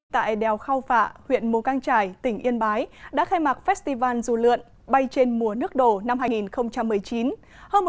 tại đèo khao phạ huyện mù căng trải tỉnh yên bái đã khai mạc festival dù lượn bay trên mùa nước đổ năm hai nghìn một mươi chín